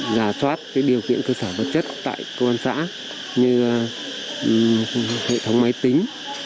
giả soát điều kiện cơ sở vật chất tại công an xã như hệ thống máy tính